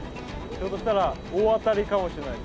ひょっとしたら大当たりかもしれない。